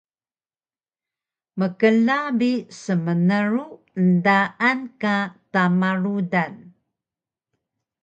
Mkla bi smnru endaan ka tama rudan